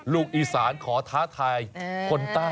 ลูกอีสานขอท้าทายคนใต้